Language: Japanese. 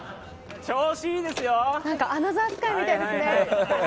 「アナザースカイ」みたいですね。